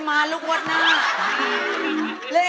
เป็นเรื่องราวของแม่นาคกับพี่ม่าครับ